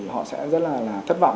họ sẽ rất là thất vọng